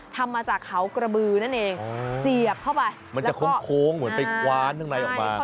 ทำมาจากเขากระบือนั่นเองเสียบเข้าไปมันจะโค้งเหมือนไปคว้านข้างในออกมา